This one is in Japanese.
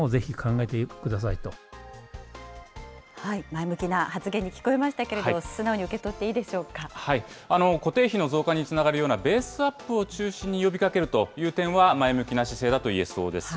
前向きな発言に聞こえましたけれど、素直に受け取っていいで固定費の増加につながるようなベースアップを中心に呼びかけるという点は、前向きな姿勢だと言えそうです。